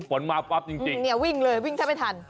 ฝนมาปั๊บจริงเนี่ยวิ่งเลยวิ่งแทบไม่ทัน